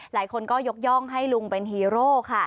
หลายคนก็ยกย่องให้ลุงเป็นฮีโร่ค่ะ